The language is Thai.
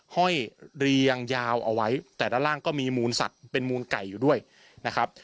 ห้อยเรียงยาวเอาไว้แต่ด้านล่างก็มีมูลสัตว์เป็นมูลไก่อยู่ด้วยนะครับ